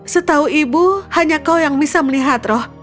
setahu ibu hanya kau yang bisa melihat roh